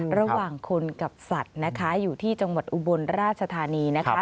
ระหว่างคนกับสัตว์นะคะอยู่ที่จังหวัดอุบลราชธานีนะคะ